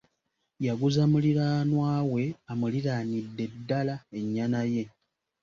Yaguza muliraanwa we amuliraanidde ddaala ennyana ye.